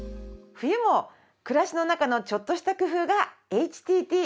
冬も暮らしの中のちょっとした工夫が「ＨＴＴ」